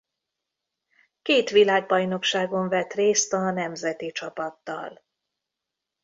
Két világbajnokságon vett részt a nemzeti csapattal.